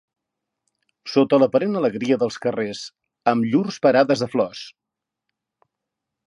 Sota l'aparent alegria dels carrers, amb llurs parades de flors